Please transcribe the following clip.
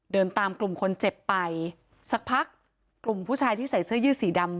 เดินตามกลุ่มคนเจ็บไปสักพักกลุ่มผู้ชายที่ใส่เสื้อยืดสีดำ